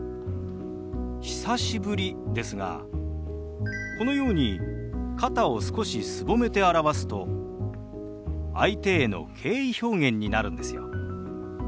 「久しぶり」ですがこのように肩を少しすぼめて表すと相手への敬意表現になるんですよ。